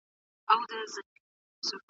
ځکه چي هیڅ هدف نه لري